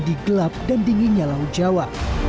di gelap dan dinginnya laut jawa